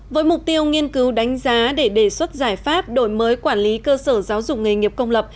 với mục tiêu nghiên cứu đánh giá để đề xuất giải pháp đổi mới quản lý cơ sở giáo dục nghề nghiệp công lập